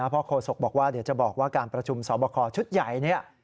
เพราะโฆษกบอกว่าเดี๋ยวจะบอกว่าการประชุมสอบคอชุดใหญ่เนี่ย